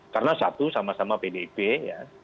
karena satu sama sama pdp ya